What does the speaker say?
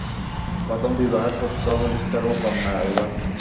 প্রথম বিবাহের পুত্র হলিস্টার ও কন্যা এলবার্ট।